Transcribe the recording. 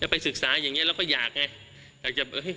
ไปศึกษาอย่างนี้เราก็อยากไง